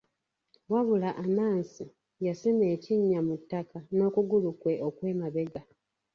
Wabula Anansi, yasima ekinnya mu ttaka n'okugulu kwe okw'emabega.